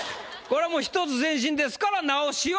これはもう１つ前進ですから直しは。